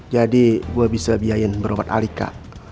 jadi gua bisa biayain berobat alika